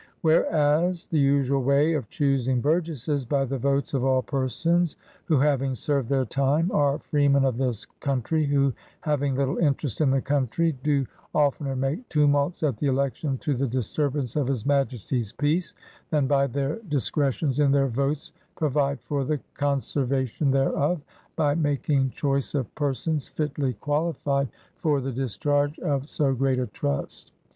Whereas the usuall way of chuseing burgesses by the votes of all persons who haveing served their tyme are freemen of this country who haveing Utile interest in the country doe oftener make tumults at the election to the dis turbance of his Majestie's peace, than by their dis cretions in their votes provide for the conservation thereof, by makeing choyce of persons fitly qualifyed COMMONWEALTH AND RESTORATION 159 for the discharge of soe greate a trust.